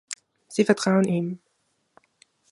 Sie vertrauen ihm.